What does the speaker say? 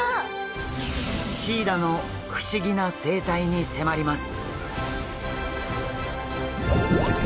シイラの不思議な生態に迫ります。